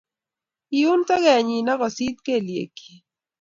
Koiun togennyi ako sit kelekyik